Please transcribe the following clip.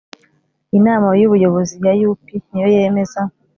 Inama y Ubuyobozi ya U P ni yo yemeza